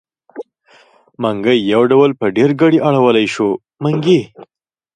منګی يو ډول په ډېرګړي اړولی شو؛ منګي.